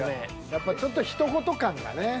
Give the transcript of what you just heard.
やっぱちょっとひと事感がね。